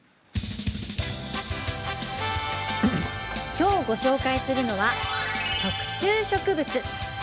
今日、ご紹介するのは食虫植物。